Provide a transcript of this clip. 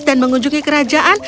dan mengunjungi kerajaan